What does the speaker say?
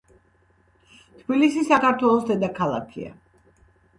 თბილისი საქართველოს დედაქალაქია.